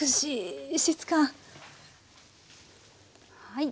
はい。